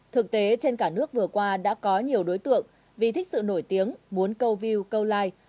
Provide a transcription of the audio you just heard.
thực tế trên cả nước vừa qua đã có nhiều đối tượng vì thích sự nổi tiếng muốn câu view câu like